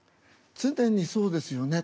常にそうですよね。